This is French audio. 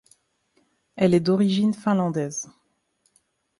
Elle est d'origine finlandaise.